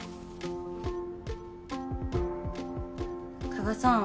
加賀さん。